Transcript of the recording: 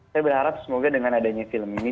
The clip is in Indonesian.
saya berharap semoga dengan adanya film ini